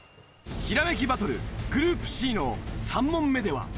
ひらめきバトルグループＣの３問目では。